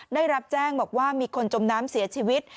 ได้รับแจ้งบอกว่ามีคนจมน้ำเสียชีวิต